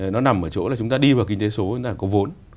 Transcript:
nó nằm ở chỗ là chúng ta đi vào kinh tế số chúng ta có vốn